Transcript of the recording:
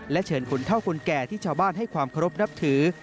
เชิญคุณเท่าคนแก่ที่ชาวบ้านให้ความเคารพนับถือ